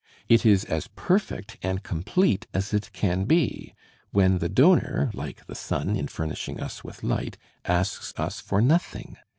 It is as perfect and complete as it can be, when the donor (like the sun in furnishing us with light) asks us for nothing.